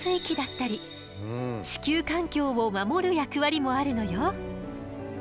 地球環境を守る役割もあるのよ。